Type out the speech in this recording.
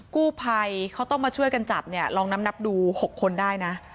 กู้ไพเขาต้องมาช่วยกันจับลองนำนับดู๖คนได้นะ